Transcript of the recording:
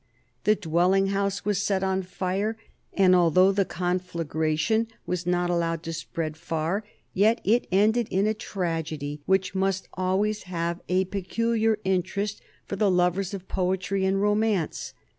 The dwelling house was set on fire, and, although the conflagration was not allowed to spread far, yet it ended in a tragedy which must always have a peculiar interest for the lovers of poetry and romance.